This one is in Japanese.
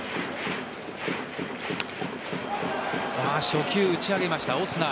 初球打ち上げました、オスナ。